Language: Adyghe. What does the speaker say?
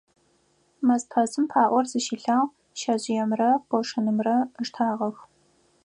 Мэзпэсым паӀор зыщилъагъ, шъэжъыемрэ къошынымрэ ыштагъэх.